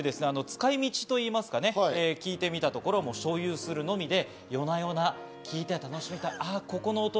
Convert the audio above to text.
使い道というか聞いてみたところ、所有するのみで、夜な夜な聴いて楽しみたい。